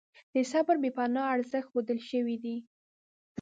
د صبر بې پناه ارزښت ښودل شوی دی.